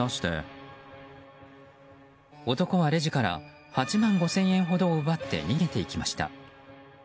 男はレジから８万５０００円ほどを奪って逃げていきました。